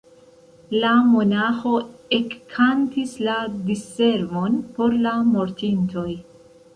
La monaĥo ekkantis la Diservon por la mortintoj.